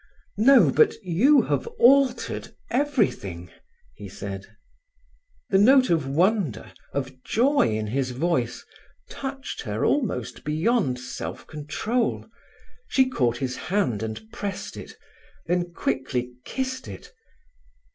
"No, but you have altered everything," he said. The note of wonder, of joy, in his voice touched her almost beyond self control. She caught his hand and pressed it; then quickly kissed it.